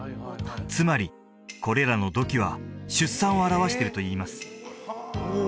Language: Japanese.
つまりこれらの土器は出産を表してるといいますおお！